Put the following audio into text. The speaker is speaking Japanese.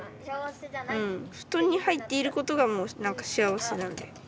布団に入っていることがもう何か幸せなんで。